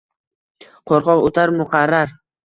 Qo‘rqoq o‘tar muqarrar…